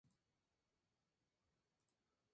Open Library